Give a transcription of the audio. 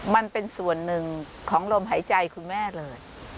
มันเป็นส่วนหนึ่งของลมหายใจคุณแม่เลย